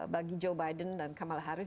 bagi joe biden dan kamala harris